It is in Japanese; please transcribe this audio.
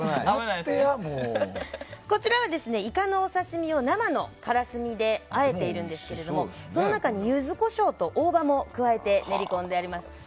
こちらは、イカのお刺し身を生のからすみであえているんですけどもその中にユズコショウと大葉も加えて練り込んであります。